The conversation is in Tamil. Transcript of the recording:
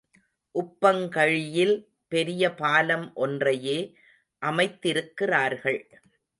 உப்பங்கழியில் பெரிய பாலம் ஒன்றையே அமைத்திருக்கிறார்கள்.